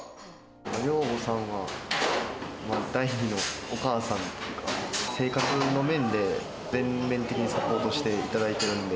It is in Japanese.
寮母さんは第２のお母さんというか、生活の面で、全面的にサポートしていただいてるんで。